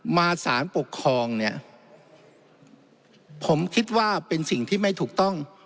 มาสารปกครองเนี่ยผมคิดว่าเป็นสิ่งที่ไม่ถูกต้อง